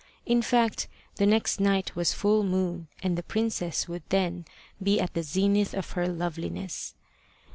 In fact the next night was full moon, and the princess would then be at the zenith of her loveliness.